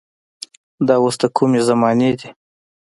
دا اوس د کومې زمانې دي.